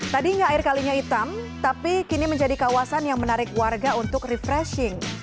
tadinya air kalinya hitam tapi kini menjadi kawasan yang menarik warga untuk refreshing